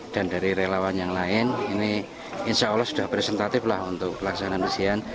dan dari relawan yang lain ini insya allah sudah presentatif lah untuk pelaksanaan ujian